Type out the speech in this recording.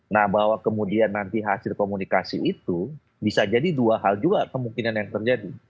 nah bahwa kemudian nanti hasil komunikasi itu bisa jadi dua hal juga kemungkinan yang terjadi